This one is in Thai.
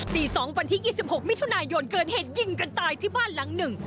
ตี๒วันที่๒๖มิถุนายนเกิดเหตุยิงกันตายที่บ้านหลังหนึ่ง